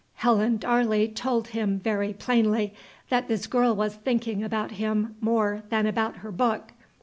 Helen Darley told him very plainly that this girl was thinking about him more than about her book.